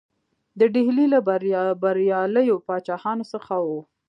د ډهلي له بریالیو پاچاهانو څخه وو.